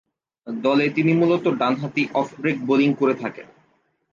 দলে তিনি মূলতঃ ডানহাতি অফ ব্রেক বোলিং করে থাকেন।